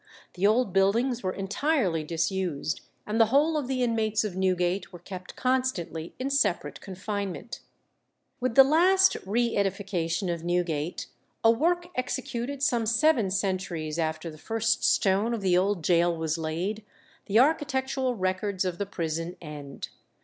The old buildings were entirely disused, and the whole of the inmates of Newgate were kept constantly in separate confinement. With the last re edification of Newgate, a work executed some seven centuries after the first stone of the old gaol was laid, the architectural records of the prison end.